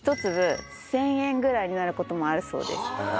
１粒１０００円ぐらいになる事もあるそうです。